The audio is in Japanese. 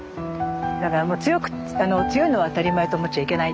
だからもう強く強いのは当たり前と思っちゃいけないって。